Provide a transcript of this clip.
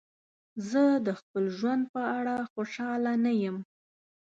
زه د خپل ژوند په اړه خوشحاله نه یم.